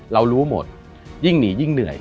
เรารู้หมดยิ่งหนียิ่งเหนื่อย